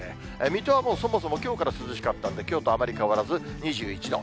水戸はもうそもそもきょうから涼しかったんで、きょうとあまり変わらず２１度。